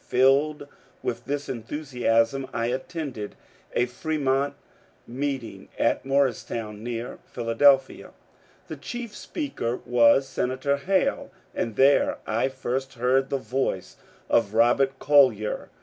Filled with this enthusiasm, I attended a Fremont meeting at Morristown, near Philadelphia. The chief speaker was Sen ator Hale, and there I first heard the voice of Robert Collyer.